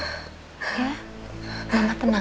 nisa udah bebas